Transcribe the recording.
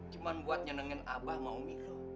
cuma buat nyenengin abah sama umi lo